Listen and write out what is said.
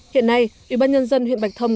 hiện nay ủy ban nhân dân huyện bạch thông